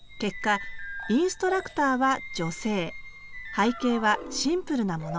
背景はシンプルなもの。